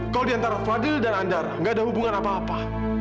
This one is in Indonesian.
kau di antara fadil dan andara gak ada hubungan apa apa